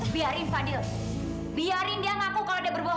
biarin fadil biarin dia ngaku kalau ada berbohong